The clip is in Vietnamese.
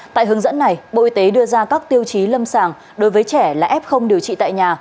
tại hướng dẫn này bộ y tế đưa ra các tiêu chí lâm sàng đối với trẻ là f điều trị tại nhà